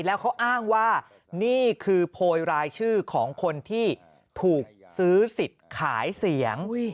แล้วเขาอ้างว่านี่คือโพยรายชื่อของคนที่ถูกซื้อสิทธิ์ขายเสียง